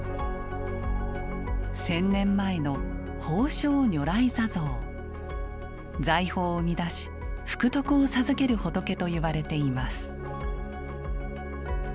千年前の財宝を生み出し福徳を授ける仏といわれています。